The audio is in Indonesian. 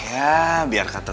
ya biar kata